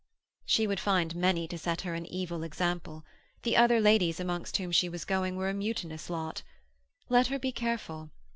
She would find many to set her an evil example. The other ladies amongst whom she was going were a mutinous knot. Let her be careful!